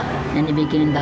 hmm udah pulang ya pinter